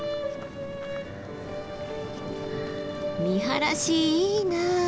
見晴らしいいな。